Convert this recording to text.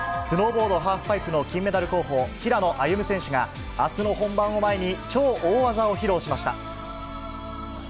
スノーボードハーフパイプの金メダル候補、平野歩夢選手が、あすの本番を前に超大技を披露しました。